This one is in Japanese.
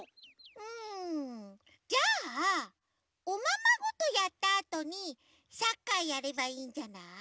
うんじゃあおままごとやったあとにサッカーやればいいんじゃない？